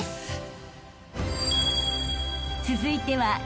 ［続いては］